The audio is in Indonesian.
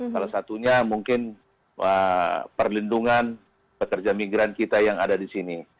salah satunya mungkin perlindungan pekerja migran kita yang ada di sini